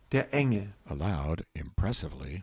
Der Engel! (Aloud impressively.)